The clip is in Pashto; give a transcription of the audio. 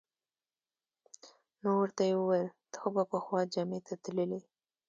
نو ورته یې وویل: ته خو به پخوا جمعې ته تللې.